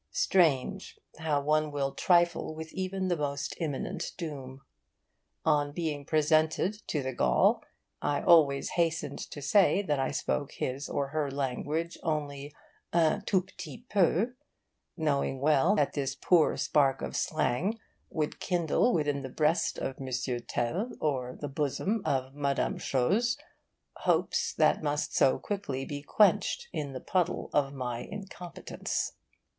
Strange, how one will trifle with even the most imminent doom. On being presented to the Gaul, I always hastened to say that I spoke his or her language only 'un tout petit peu' knowing well that this poor spark of slang would kindle within the breast of M. Tel or the bosom of Mme. Chose hopes that must so quickly be quenched in the puddle of my incompetence.